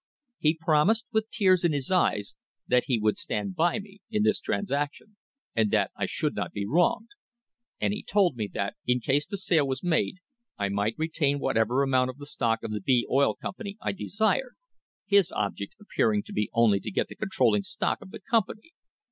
He promised, with tears in his eyes, that he would stand by me in this transaction, and that I should not be wronged; and he told me that, in case the sale was made, I might retain whatever amount of the stock of the B Oil Com pany I desired, his object appearing to be only to get the controlling stock of the com pany.